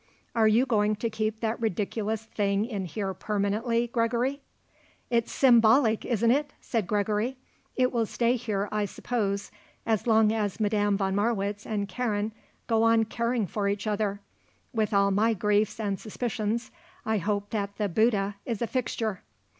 Are you going to keep that ridiculous thing in here permanently, Gregory?" "It's symbolic, isn't it?" said Gregory. "It will stay here, I suppose, as long as Madame von Marwitz and Karen go on caring for each other. With all my griefs and suspicions I hope that the Bouddha is a fixture."